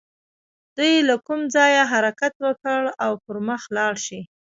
دوی له کوم ځايه حرکت وکړي او پر مخ لاړ شي.